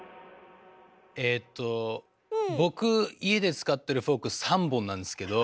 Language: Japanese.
えと僕家で使ってるフォーク３本なんですけど。